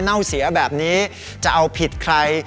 เน่าเสียแบบนี้จะเอาผิดใคร